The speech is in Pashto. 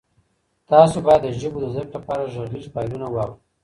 تاسي باید د ژبو د زده کړې لپاره غږیز فایلونه واورئ.